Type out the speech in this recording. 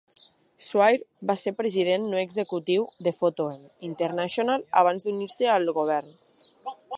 Swire va ser president no executiu de Photo-Em International abans d'unir-se al govern.